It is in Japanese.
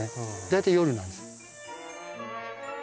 大体夜なんです。